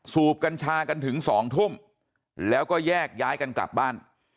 สูบกัญชากันถึง๒ทุ่มแล้วก็แยกย้ายกันกลับบ้าน